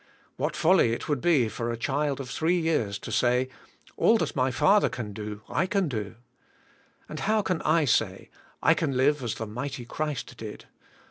What folly it would be for a child of three years to say. All that my father can do I can do. And how can I say, I can live as the mighty Christ did?